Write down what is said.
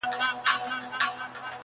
ها جلوه دار حُسن په ټوله ښاريه کي نسته,